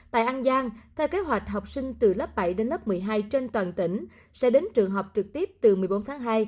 tại an giang theo kế hoạch học sinh từ lớp bảy đến lớp một mươi hai trên toàn tỉnh sẽ đến trường học trực tiếp từ một mươi bốn tháng hai